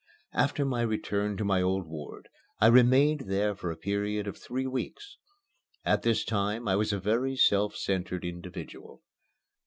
After my return to my old ward I remained there for a period of three weeks. At that time I was a very self centred individual.